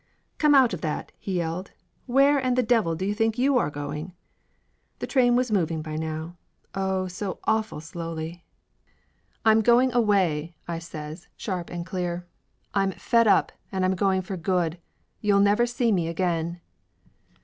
"Come out of that!" he yelled. "Where and the devil do you think you are going?" The train was moving by now. Oh, so awful slowly ! 54 Laughter Limited "I'm going away!" I says, sharp and clear. "I'm fed up, and I'm going for good ! You'll never see me again